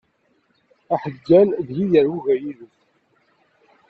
Aḥeggan deg-i yerguga yilef.